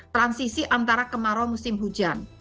transisi antara kemarau musim hujan